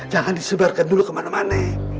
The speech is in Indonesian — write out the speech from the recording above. jangan disebarkan dulu kemana mana